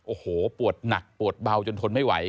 โอ้โหปวดหนักปวดเบาจนทนไม่ไหว